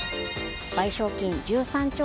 賠償金１３兆